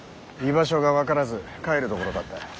居場所が分からず帰るところだった。